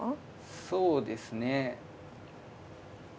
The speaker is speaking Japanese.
そうですね。